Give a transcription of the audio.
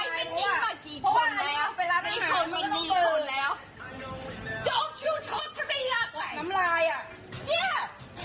เพราะว่าอันนี้มันไปร้านอาหารแล้วก็ต้องเกินน้ำลายอ่ะ